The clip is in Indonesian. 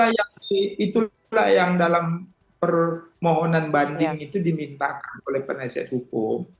ya itulah yang dalam permohonan banding itu dimintakan oleh penasihat hukum